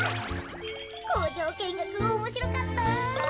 こうじょうけんがくおもしろかった。